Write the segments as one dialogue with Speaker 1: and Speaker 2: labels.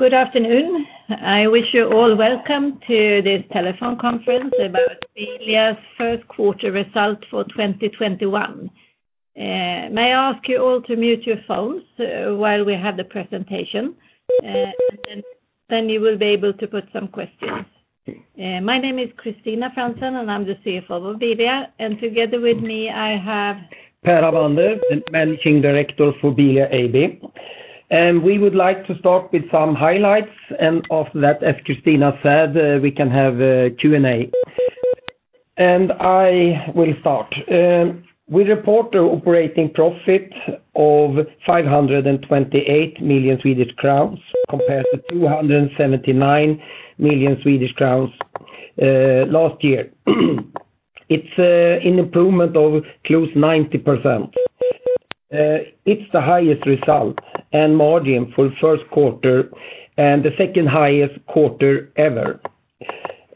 Speaker 1: Good afternoon. I wish you all welcome to this telephone conference about Bilia's first quarter results for 2021. May I ask you all to mute your phones while we have the presentation? You will be able to put some questions. My name is Kristina Franzén, and I'm the CFO of Bilia, and together with me, I have.
Speaker 2: Per Avander, the Managing Director for Bilia AB. We would like to start with some highlights. After that, as Kristina said, we can have a Q&A. I will start. We report an operating profit of 528 million Swedish crowns compared to 279 million Swedish crowns last year. It's an improvement of close to 90%. It's the highest result and margin for the first quarter and the second highest quarter ever.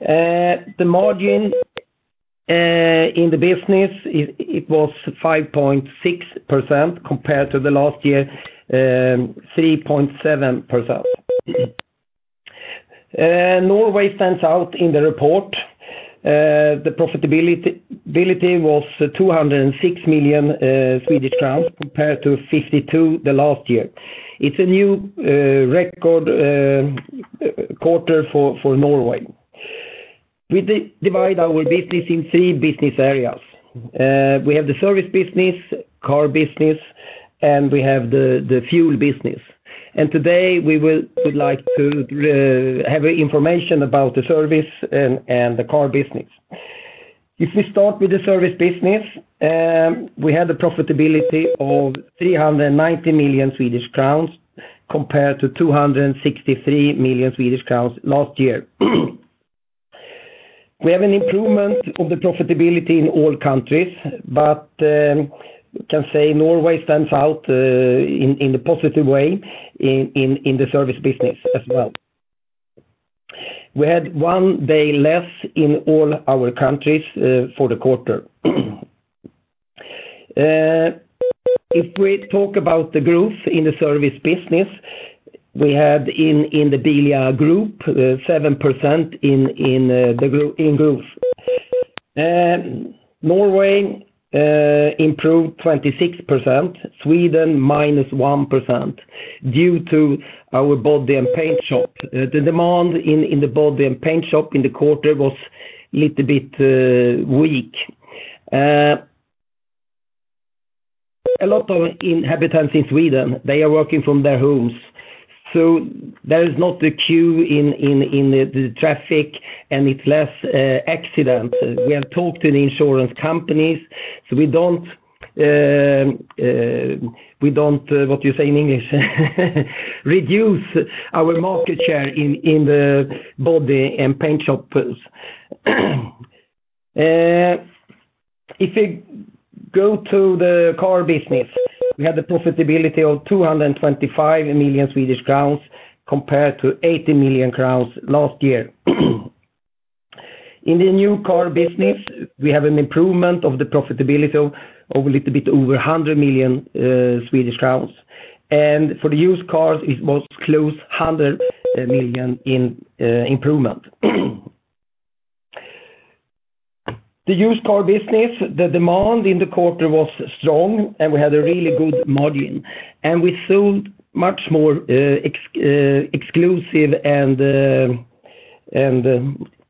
Speaker 2: The margin in the business was 5.6% compared to last year, 3.7%. Norway stands out in the report. The profitability was 206 million Swedish crowns compared to 52 million the last year. It's a new record quarter for Norway. We divide our business into three business areas. We have the service business, car business, and we have the fuel business. Today we would like to have information about the service and the car business. If we start with the service business, we had profitability of 390 million Swedish crowns compared to 263 million Swedish crowns last year. We have an improvement of profitability in all countries. We can say Norway stands out in a positive way in the service business as well. We had one day less in all our countries for the quarter. If we talk about the growth in the service business, we had in the Bilia Group, 7% in growth. Norway improved 26%, Sweden -1%, due to our body and paint shop. The demand in the body and paint shop in the quarter was a little bit weak. A lot of inhabitants in Sweden are working from their homes. There is not a queue in the traffic and it's less accidents. We have talked to the insurance companies. We don't, what you say in English? Reduce our market share in the body and paint shops. If you go to the car business, we had profitability of 225 million Swedish crowns compared to 80 million crowns last year. In the new car business, we have an improvement of profitability of a little bit over 100 million Swedish crowns. For the used cars, it was close to 100 million in improvement. The used car business, the demand in the quarter was strong and we had a really good margin. We sold many more exclusive.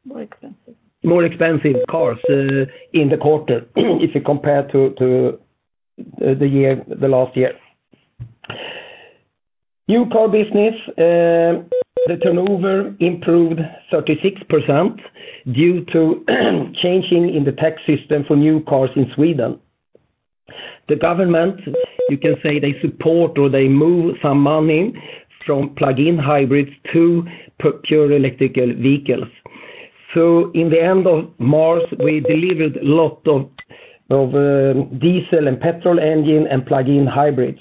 Speaker 1: More expensive.
Speaker 2: More expensive cars in the quarter compared to last year. New car business, the turnover improved 36% due to changes in the tax system for new cars in Sweden. The government, you can say they support or they move some money from plug-in hybrids to pure electrical vehicles. In the end of March, we delivered a lot of diesel and petrol engine and plug-in hybrids.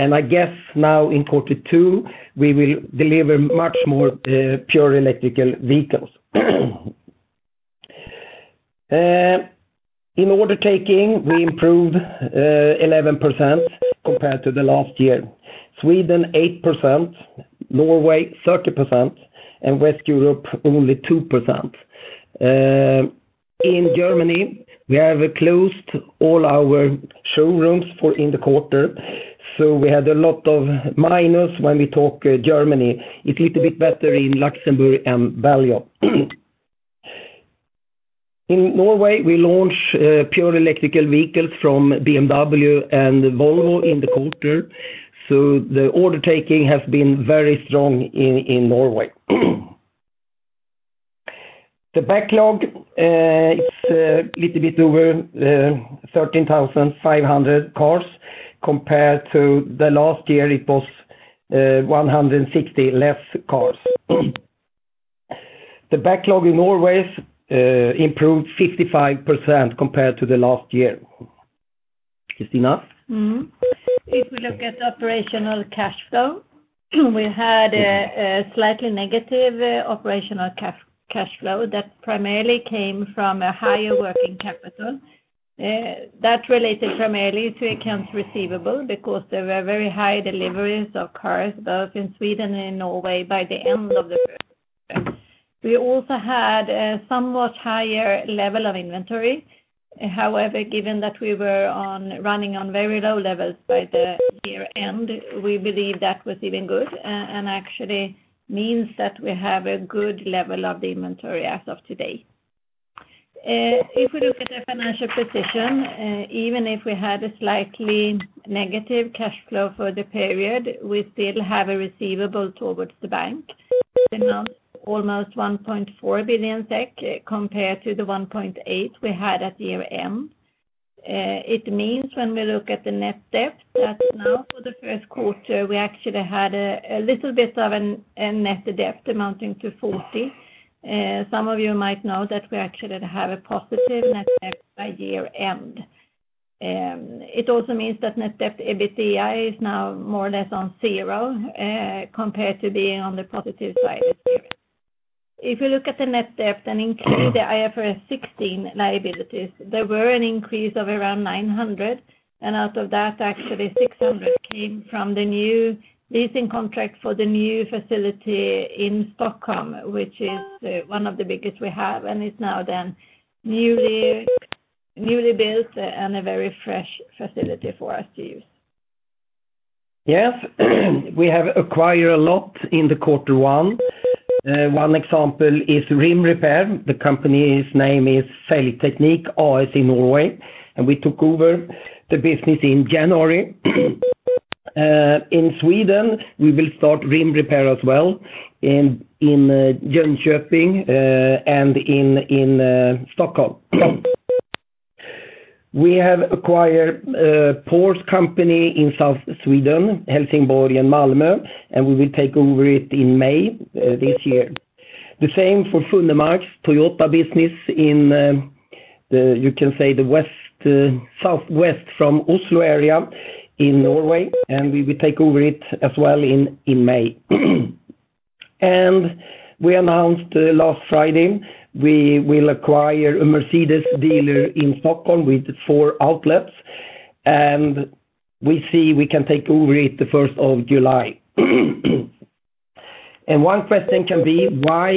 Speaker 2: I guess now in quarter two, we will deliver many more pure electrical vehicles. In order taking, we improved 11% compared to last year. Sweden 8%, Norway 30%, and West Europe only 2%. In Germany, we have closed all our showrooms for in the quarter, so we had a lot of minus when we talk Germany. It's a little bit better in Luxembourg and Belgium. In Norway, we launched pure electrical vehicles from BMW and Volvo in the quarter. The order taking has been very strong in Norway. The backlog is a little bit over 13,500 cars compared to last year, it was 160 less cars. The backlog in Norway improved 55% compared to last year. Is it enough?
Speaker 1: If we look at operational cash flow, we had a slightly negative operational cash flow that primarily came from a higher working capital. That's related primarily to accounts receivable because there were very high deliveries of cars both in Sweden and Norway by the end of the first quarter. We also had a somewhat higher level of inventory. However, given that we were running on very low levels by the year-end, we believe that was even good and actually means that we have a good level of the inventory as of today. If we look at the financial position, even if we had a slightly negative cash flow for the period, we still have a receivable towards the bank, announced almost 1.4 billion SEK compared to 1.8 we had at year-end. It means when we look at the net debt as now for the first quarter, we actually had a little bit of a net debt amounting to 40. Some of you might know that we actually did have a positive net debt by year-end. It also means that net debt EBITDA is now more or less on zero compared to being on the positive side this year. If you look at the net debt and include the IFRS 16 liabilities, there were an increase of around 900, and out of that, actually 600 came from the new leasing contract for the new facility in Stockholm, which is one of the biggest we have, and it's now then newly built and a very fresh facility for us to use.
Speaker 2: Yes. We have acquired a lot in the quarter one. One example is rim repair. The company's name is Felgteknikk AS in Norway. We took over the business in January. In Sweden, we will start rim repair as well in Jönköping and in Stockholm. We have acquired a Porsche company in south Sweden, Helsingborg and Malmö. We will take over it in May this year. The same for Funnemark Toyota business in, you can say, the southwest from Oslo area in Norway. We will take over it as well in May. We announced last Friday we will acquire a Mercedes dealer in Stockholm with four outlets, and we see we can take over it the 1st July. One question can be why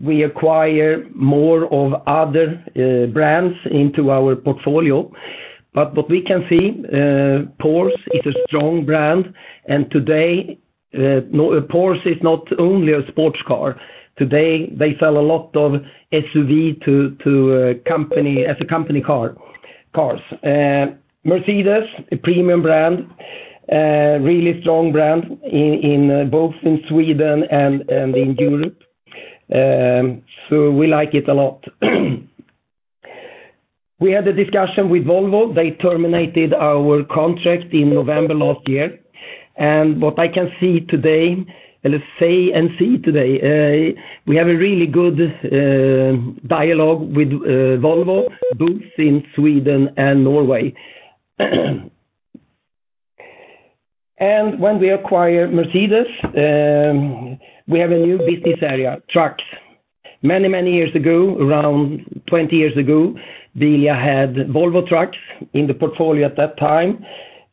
Speaker 2: we acquire more of other brands into our portfolio. What we can see, Porsche is a strong brand, and today, Porsche is not only a sports car. Today, they sell a lot of SUV as a company cars. Mercedes, a premium brand, really strong brand both in Sweden and in Europe. We like it a lot. We had a discussion with Volvo. They terminated our contract in November last year. What I can see and say today, we have a really good dialogue with Volvo, both in Sweden and Norway. When we acquire Mercedes, we have a new business area, trucks. Many years ago, around 20 years ago, Bilia had Volvo trucks in the portfolio at that time.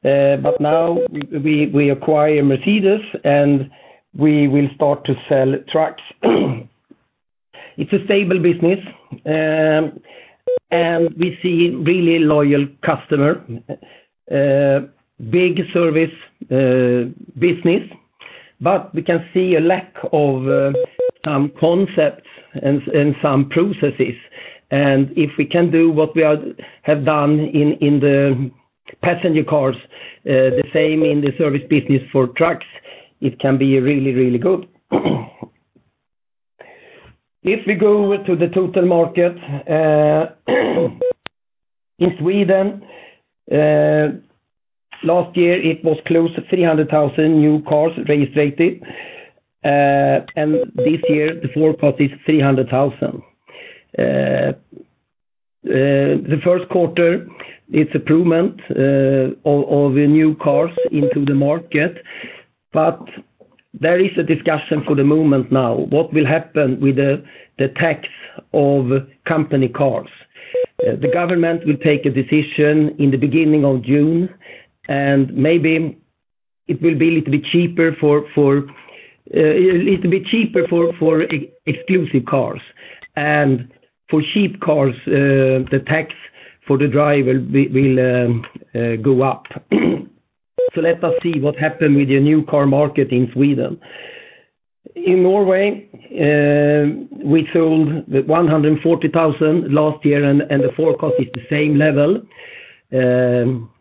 Speaker 2: Now we acquire Mercedes, and we will start to sell trucks. It's a stable business, and we see really loyal customer, big service business, but we can see a lack of some concepts and some processes. If we can do what we have done in the passenger cars, the same in the service business for trucks, it can be really good. If we go to the total market, in Sweden, last year it was close to 300,000 new cars registered. This year, the forecast is 300,000. The first quarter, it's improvement of the new cars into the market, but there is a discussion for the moment now, what will happen with the tax of company cars? The government will take a decision in the beginning of June, and maybe it will be a little bit cheaper for exclusive cars. For cheap cars, the tax for the driver will go up. Let us see what happen with the new car market in Sweden. In Norway, we sold 140,000 last year, and the forecast is the same level.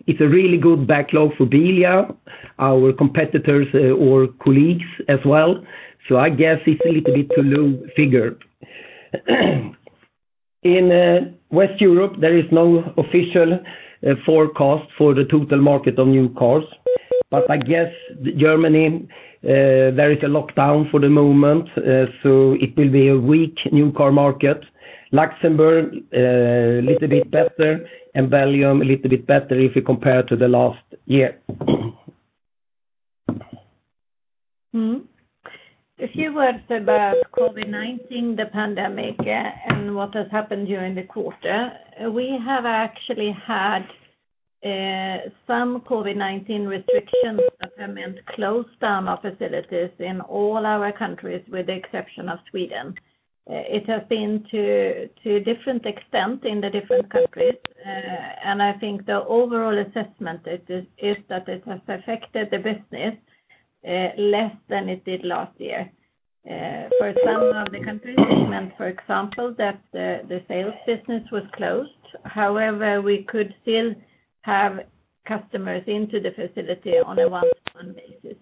Speaker 2: It's a really good backlog for Bilia, our competitors or colleagues as well. I guess it's a little bit too low figure. In West Europe, there is no official forecast for the total market on new cars. I guess Germany, there is a lockdown for the moment, so it will be a weak new car market. Luxembourg, a little bit better, and Belgium, a little bit better if you compare to the last year.
Speaker 1: A few words about COVID-19, the pandemic, and what has happened during the quarter. We have actually had some COVID-19 restrictions that have meant closed down our facilities in all our countries, with the exception of Sweden. It has been to different extent in the different countries. I think the overall assessment is that it has affected the business less than it did last year. For some of the countries, it meant, for example, that the sales business was closed. However, we could still have customers into the facility on a one-to-one basis.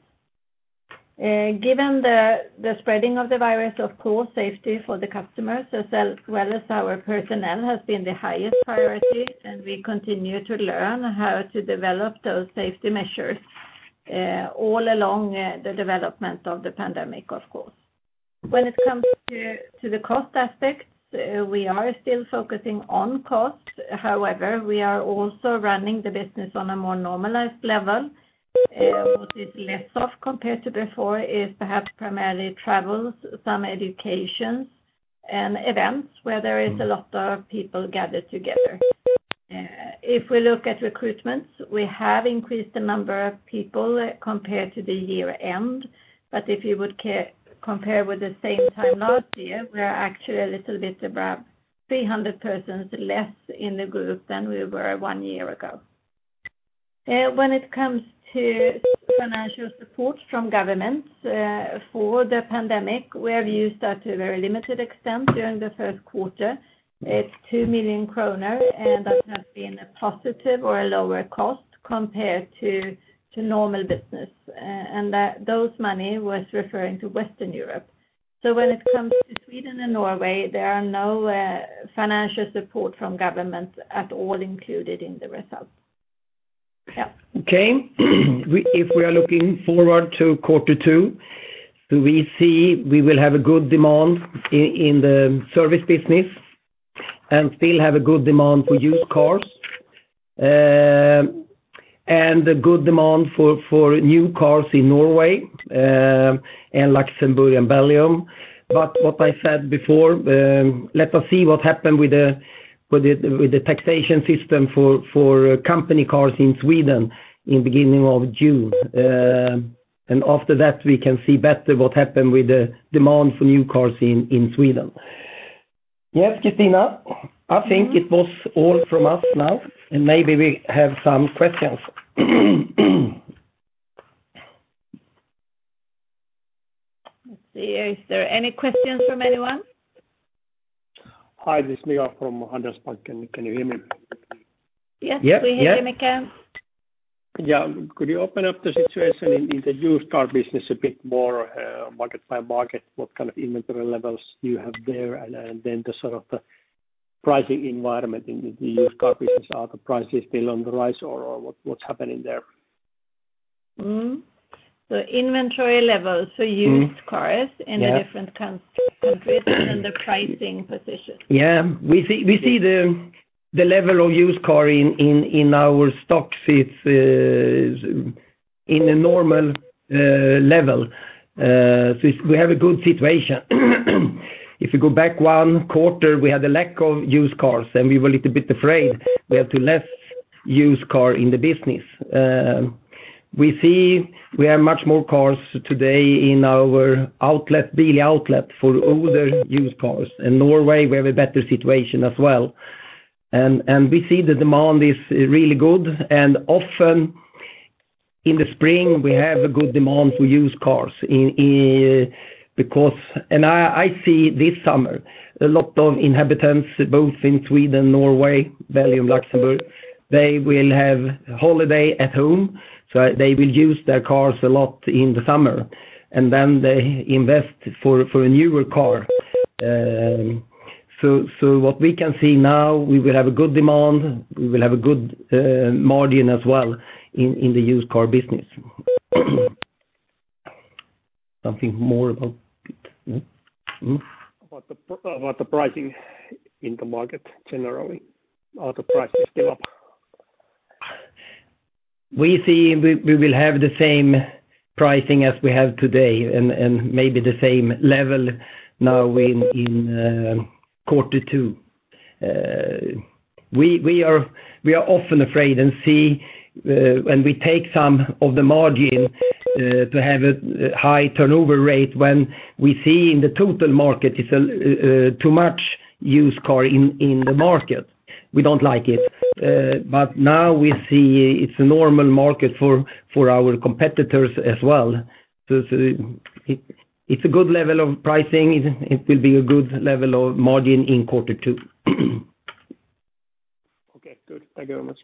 Speaker 1: Given the spreading of the virus, of course, safety for the customers, as well as our personnel, has been the highest priority, and we continue to learn how to develop those safety measures all along the development of the pandemic, of course. When it comes to the cost aspects, we are still focusing on cost. However, we are also running the business on a more normalized level. What is less of compared to before is perhaps primarily travels, some educations, and events where there is a lot of people gathered together. If we look at recruitments, we have increased the number of people compared to the year-end. If you would compare with the same time last year, we are actually a little bit above 300 persons less in the group than we were one year ago. When it comes to financial support from governments for the pandemic, we have used that to a very limited extent during the first quarter. It's 2 million kroner, and that has been a positive or a lower cost compared to normal business. That money was referring to Western Europe. When it comes to Sweden and Norway, there are no financial support from governments at all included in the results.
Speaker 2: If we are looking forward to quarter two, we see we will have a good demand in the service business and still have a good demand for used cars and a good demand for new cars in Norway and Luxembourg and Belgium. What I said before, let us see what happen with the taxation system for company cars in Sweden in beginning of June. After that, we can see better what happen with the demand for new cars in Sweden. Yes, Kristina, I think it was all from us now, and maybe we have some questions.
Speaker 1: Let's see. Is there any questions from anyone?
Speaker 3: Hi, this is Mika from Handelsbanken. Can you hear me?
Speaker 1: Yes, we hear you, Mika.
Speaker 2: Yes.
Speaker 3: Could you open up the situation in the used car business a bit more, market by market, what kind of inventory levels you have there, and then the sort of pricing environment in the used car business? Are the prices still on the rise or what's happening there?
Speaker 1: Inventory levels for used cars in the different countries and the pricing position.
Speaker 2: We see the level of used cars in our stocks is in a normal level. We have a good situation. If you go back one quarter, we had a lack of used cars, and we were a little bit afraid we had too few used cars in the business. We see we have much more cars today in our Bilia Outlet for older used cars. In Norway, we have a better situation as well. We see the demand is really good. Often, in the spring, we have a good demand for used cars. I see this summer, a lot of inhabitants, both in Sweden, Norway, Belgium, Luxembourg, they will have holiday at home, so they will use their cars a lot in the summer, and then they invest for a newer car. What we can see now, we will have a good demand, we will have a good margin as well in the used car business.
Speaker 3: About the pricing in the market generally. Are the prices still up?
Speaker 2: We see we will have the same pricing as we have today and maybe the same level now in quarter two. We are often afraid and see when we take some of the margin to have a high turnover rate when we see in the total market it's too much used car in the market. We don't like it. Now we see it's a normal market for our competitors as well. It's a good level of pricing. It will be a good level of margin in quarter two.
Speaker 3: Okay, good. Thank you very much.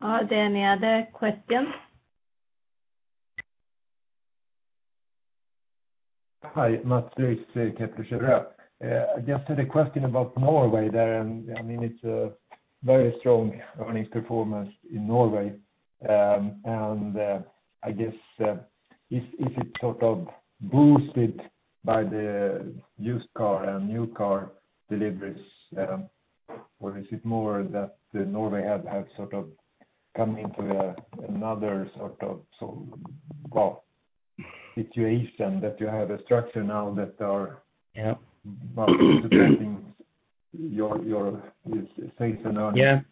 Speaker 1: Are there any other questions?
Speaker 4: Hi, Mats, I just had a question about Norway there. It's a very strong earnings performance in Norway. I guess, is it sort of boosted by the used car and new car deliveries? Or is it more that the Norway hub has come into another situation that you have a structure now supporting your sales and earnings?
Speaker 2: Yes.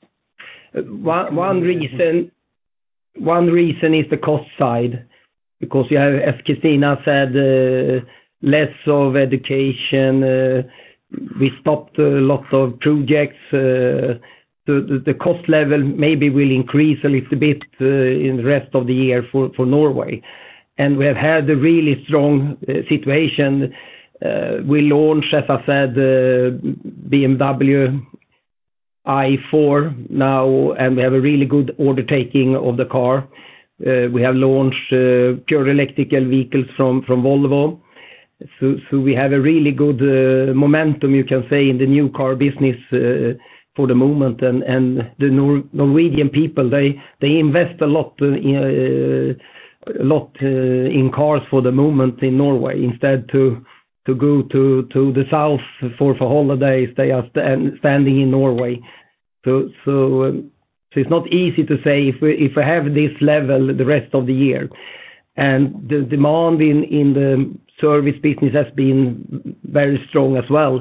Speaker 2: One reason is the cost side, because as Kristina Franzén said, less of education. We stopped lots of projects. The cost level maybe will increase a little bit in the rest of the year for Norway. We have had a really strong situation. We launched, as I said, BMW i4 now. We have a really good order taking of the car. We have launched pure electrical vehicles from Volvo. We have a really good momentum, you can say, in the new car business for the moment. The Norwegian people, they invest a lot in cars for the moment in Norway. Instead to go to the south for holidays, they are standing in Norway. It's not easy to say if we have this level the rest of the year. The demand in the service business has been very strong as well.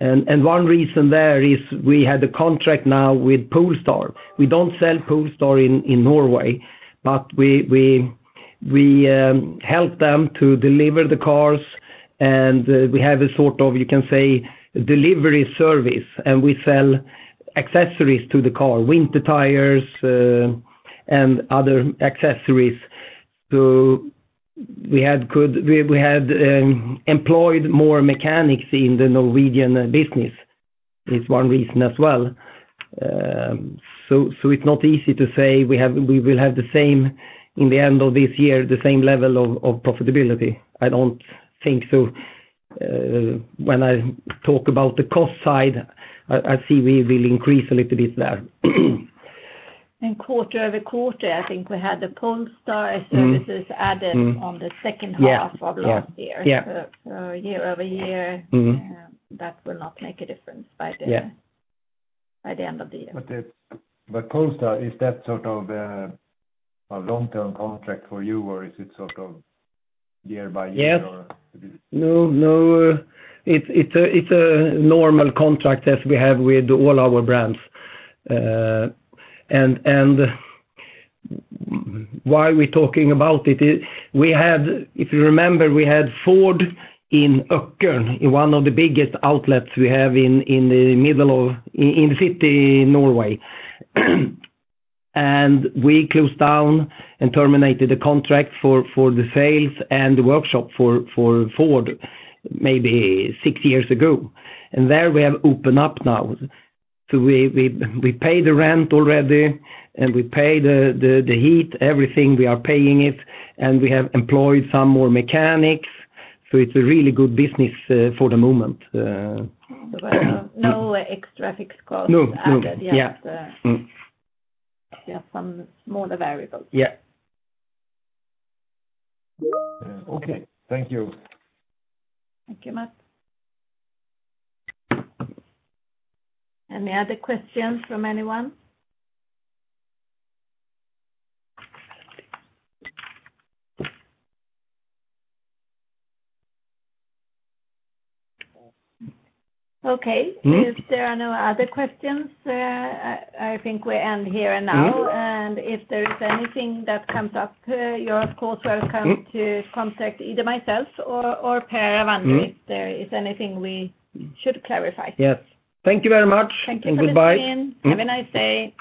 Speaker 2: One reason there is we have the contract now with Polestar. We don't sell Polestar in Norway, but we help them to deliver the cars, and we have a sort of delivery service, and we sell accessories to the car, winter tires, and other accessories. We had employed more mechanics in the Norwegian business, is one reason as well. It's not easy to say we will have the same in the end of this year, the same level of profitability. I don't think so. When I talk about the cost side, I see we will increase a little bit there.
Speaker 1: Quarter-over-quarter, I think we had the Polestar services added on the second half of last year. Year-over-year that will not make a difference by the end of the year.
Speaker 4: Polestar, is that a long-term contract for you, or is it year by year, or?
Speaker 2: No. It's a normal contract as we have with all our brands. Why are we talking about it? If you remember, we had Ford in Økern, in one of the biggest outlets we have in the city, Norway. We closed down and terminated the contract for the sales and the workshop for Ford maybe six years ago. There we have opened up now. We paid the rent already, and we paid the heat, everything, we are paying it, and we have employed some more mechanics. It's a really good business for the moment.
Speaker 1: There are no extra fixed costs added yet. Just some more variables.
Speaker 2: Yes.
Speaker 4: Okay. Thank you.
Speaker 1: Thank you, Mats. Any other questions from anyone? Okay. If there are no other questions, I think we end here and now. If there is anything that comes up, you're of course welcome to contact either myself or Per Avander if there is anything we should clarify.
Speaker 2: Yes. Thank you very much.
Speaker 1: Thank you.
Speaker 2: Goodbye.
Speaker 1: Have a nice day.